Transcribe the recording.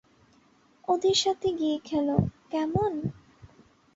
ওদের সাথে গিয়ে খেলো, কেমন?